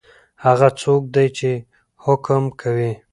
هغه څوک دی چی حکم کوي؟